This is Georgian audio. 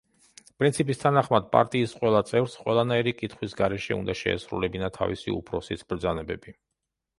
პრინციპის თანახმად, პარტიის ყველა წევრს ყველანაირი კითხვის გარეშე უნდა შეესრულებინა თავისი უფროსის ბრძანებები.